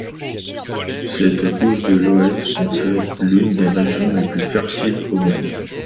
Cette couche de lœss en fait l'une des régions les plus fertiles au monde.